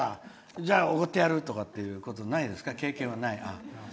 じゃあ、おごってやるとかっていうことないですか？